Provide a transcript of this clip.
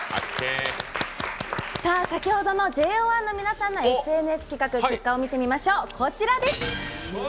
先ほどのＪＯ１の皆さんのＳＮＳ企画結果を見てみましょう。